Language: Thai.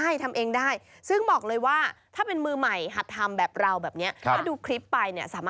อยากจะลองทำดูใช่ไหม